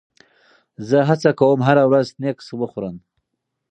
زه هڅه کوم هره ورځ سنکس وخورم.